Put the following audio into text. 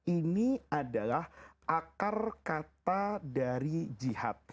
ini adalah akar kata dari jihad